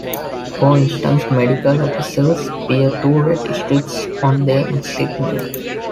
For instance, medical officers bear two red stripes on their insignia.